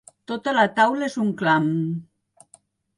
Tota la taula és un clam.